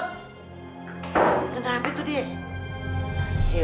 kenapa tuh dia